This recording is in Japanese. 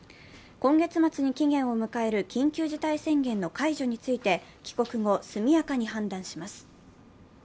今月末に期限を迎える緊急事態宣言の解除について、帰国後、速やかに判断します。